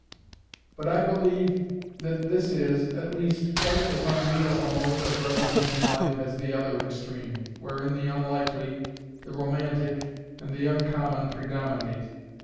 But I believe that this is, at least, quite as unreal a mode of representing life as the other extreme, wherein the unlikely, the romantic, and the uncommon predominate.